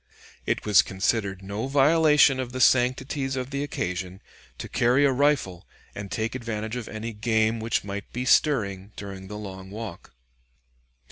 It was considered no violation of the sanctities of the occasion to carry a rifle and take advantage of any game which might be stirring during the long walk.